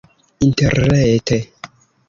interrete